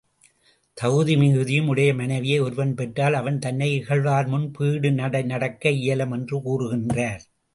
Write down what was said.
தகுதி மிகுதியும் உடைய மனைவியை ஒருவன் பெற்றால் அவன் தன்னை இகழ்வார்முன் பீடு நடைநடக்க இயலும் என்று கூறுகின்றார்.